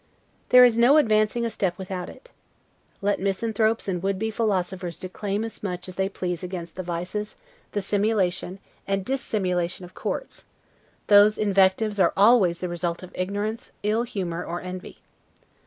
There is no advancing a step without it. Let misanthropes and would be philosophers declaim as much as they please against the vices, the simulation, and dissimulation of courts; those invectives are always the result of ignorance, ill humor, or envy.